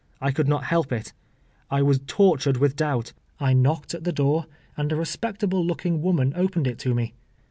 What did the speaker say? I could not help it; I was tortured with doubt. I knocked at the door, and a respectable looking woman opened it to me.